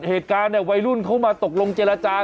เหตุการณ์เนี่ยวัยรุ่นเขามาตกลงเจรจา